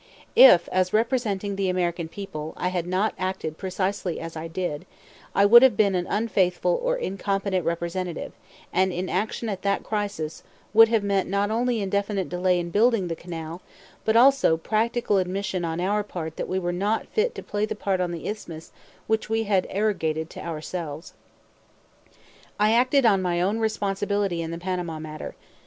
If, as representing the American people, I had not acted precisely as I did, I would have been an unfaithful or incompetent representative; and inaction at that crisis would have meant not only indefinite delay in building the canal, but also practical admission on our part that we were not fit to play the part on the Isthmus which we had arrogated to ourselves. I acted on my own responsibility in the Panama matter.